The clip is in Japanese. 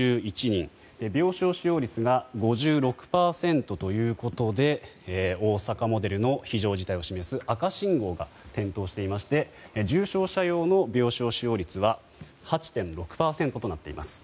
病床使用率が５６％ということで大阪モデルの非常事態を示す赤信号が点灯していまして重症者用の病床使用率は８．６％となっています。